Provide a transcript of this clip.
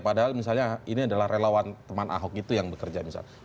padahal misalnya ini adalah relawan teman ahok itu yang bekerja misalnya